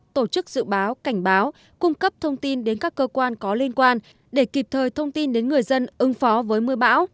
tổ chức dự báo cảnh báo cung cấp thông tin đến các cơ quan có liên quan để kịp thời thông tin đến người dân ứng phó với mưa bão